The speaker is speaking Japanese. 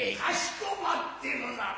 畏まってござる。